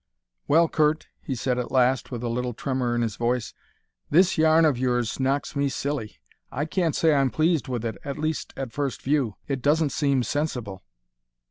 "Well, Curt," he said at last, with a little tremor in his voice, "this yarn of yours knocks me silly. I can't say I'm pleased with it, at least at first view. It doesn't seem sensible."